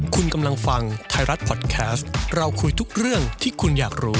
คุณกำลังฟังไทยรัฐพอดแคสต์เราคุยทุกเรื่องที่คุณอยากรู้